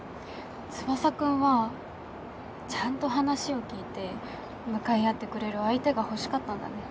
翼君はちゃんと話を聞いて向かい合ってくれる相手が欲しかったんだね。